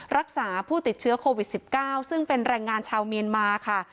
รักษาผู้ติดเชื้อโควิด๑๙ซึ่งเป็นแรงงานชาวเมียนมาค่ะ